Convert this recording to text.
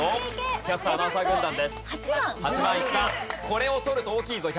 これを取ると大きいぞ。